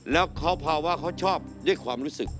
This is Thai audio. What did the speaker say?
แล้วเค้าพาว่าเค้าชอบด้วยความรู้สึก